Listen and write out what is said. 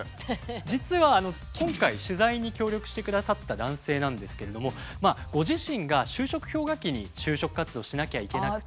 実は今回取材に協力してくださった男性なんですけれどもご自身が就職氷河期に就職活動をしなきゃいけなくて。